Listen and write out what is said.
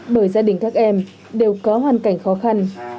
bởi gia đình các em đều có hoàn cảnh khó khăn